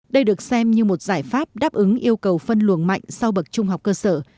đây được xem như một giải pháp đáp ứng yêu cầu phân luồng mạnh sau bậc trung học cơ sở